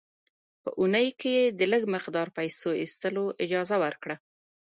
په اونۍ کې یې د لږ مقدار پیسو ایستلو اجازه ورکړه.